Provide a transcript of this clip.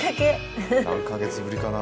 何か月ぶりかな。